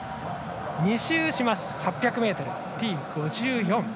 ２周します、８００ｍＴ５４。